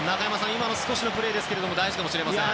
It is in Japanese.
今の少しのプレーですが大事かもしれません。